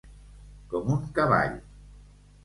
Com un cavall.